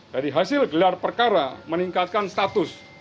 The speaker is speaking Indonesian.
dari hasil gelar perkara meningkatkan status